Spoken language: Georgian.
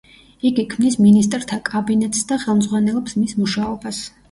იგი ქმნის მინისტრთა კაბინეტს და ხელმძღვანელობს მის მუშაობას.